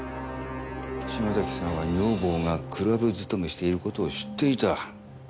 島崎さんは女房がクラブ勤めしている事を知っていた。